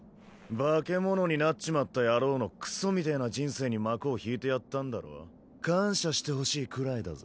化け物になっちまった野郎のクソみてぇな人生に幕を引いてやったんだろ。感謝してほしいくらいだぜ。